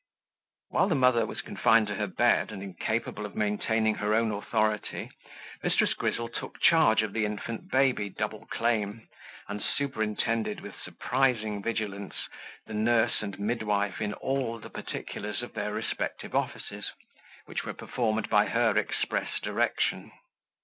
While the mother confined to her bed, and incapable of maintaining her own authority, Mrs. Grizzle took charge of the infant baby by a double claim, and superintended, with surprising vigilance, the nurse and midwife in all the particulars of their respective offices, which were performed by her express direction.